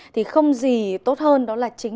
thì không gì tốt hơn đó là chú trọng